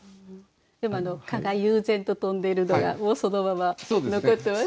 でも蚊が悠然と飛んでいるのがもうそのまま残ってます。